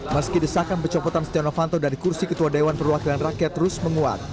meski desakan pecopotan setia novanto dari kursi ketua dewan perwakilan rakyat terus menguat